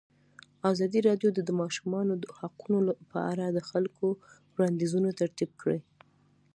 ازادي راډیو د د ماشومانو حقونه په اړه د خلکو وړاندیزونه ترتیب کړي.